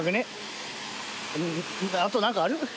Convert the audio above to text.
あとなんかある？